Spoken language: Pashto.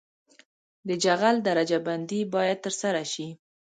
د جغل درجه بندي باید ترسره شي